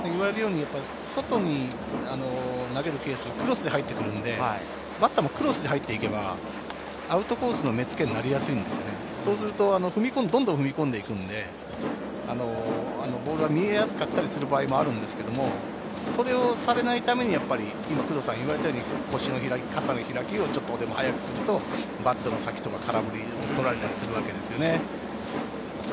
外に投げるケースはクロスに入ってくるので、アウトコースの目付けがしやすいんですけれど、そうすると、どんどん踏み込んでいくのでボールが見えやすかったりすることもあるんですけれど、それをされないために腰の開き方の開きをちょっとでも早くすると、バットの先とか、空振りを取られたりするんです。